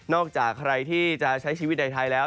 จากใครที่จะใช้ชีวิตในไทยแล้ว